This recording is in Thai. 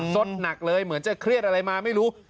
สดหนักเลยเหมือนจะเครียดอะไรมาไม่รู้